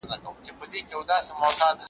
که د سهار ورک ماښام کور ته راسي هغه ورک نه دئ `